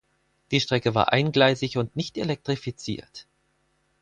Die Strecke war eingleisig und nicht elektrifiziert.